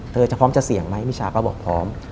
เธอจะพร้อมจะเสี่ยงไหมมิชาก็บอกพร้อม